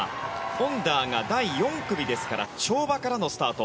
オンダーが第４組ですから跳馬からのスタート。